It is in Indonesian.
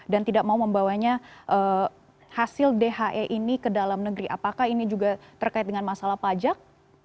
dan tidak mau membawanya hasil dhe ini ke dalam negeri apakah ini juga terkait dengan masalah pajak